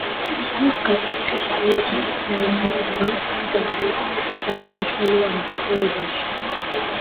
ამის მსგავსად, შეძლებულების მეოთხედი თვლის, რომ ჯანმრთელობაა ძალიან მნიშვნელოვანი ცხოვრებაში.